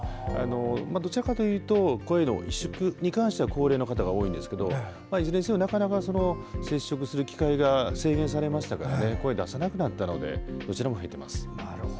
どちらかというと声の萎縮に関しては高齢の方が多いんですけどいずれにせよ、なかなか接触する機会が制限されましたからね声、出さなくなったのでどちらも増えています。